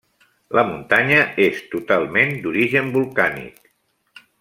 La muntanya és totalment d'origen volcànic.